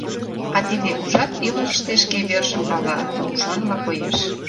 А тиде, ужат, илышыште шке вержым пала, но ушанла коеш».